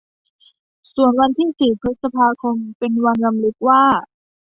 ส่วนวันที่สี่พฤษภาคม เป็นวันรำลึกว่า